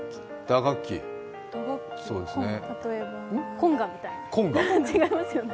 コンガみたいな？違いますよね。